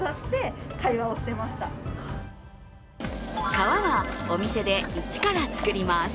皮はお店で一から作ります。